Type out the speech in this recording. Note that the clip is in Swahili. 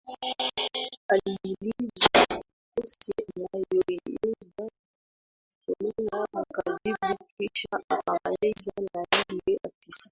Aliulizwa kozi anayoenda kusomea akajibu kisha akamalizana na yule afisa